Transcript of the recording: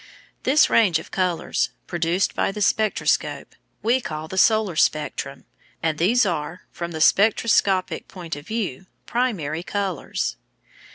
This range of colours, produced by the spectroscope, we call the solar spectrum, and these are, from the spectroscopic point of view, primary colours.